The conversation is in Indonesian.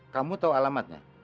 kamu tahu alamatnya